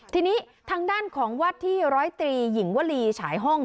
ทีนี้ทางด้านของวัดที่ร้อยตรีหญิงวลีฉายห้อง